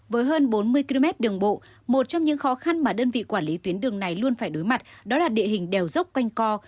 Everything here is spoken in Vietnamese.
với hơn bốn mươi km đường bộ một trong những khó khăn mà đơn vị quản lý tuyến đường này luôn phải đối mặt đó là địa hình đèo dốc quanh co